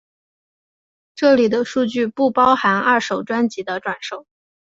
这里的数据不包含二手专辑的转售。